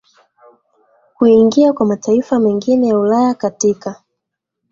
kuingia kwa mataifa mengine ya Ulaya Katika